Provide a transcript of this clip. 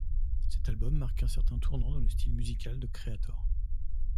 Cet album marque un certain tournant dans le style musical de Kreator.